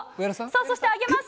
そして上げます。